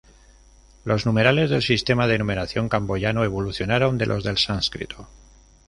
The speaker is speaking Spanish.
Los numerales del sistema de numeración camboyano evolucionaron de los del sánscrito.